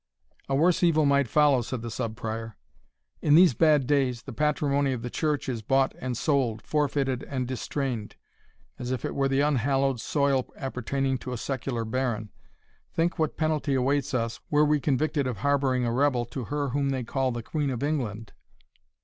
"A worse evil might follow," said the Sub Prior: "in these bad days, the patrimony of the church is bought and sold, forfeited and distrained, as if it were the unhallowed soil appertaining to a secular baron. Think what penalty awaits us, were we convicted of harbouring a rebel to her whom they call the Queen of England!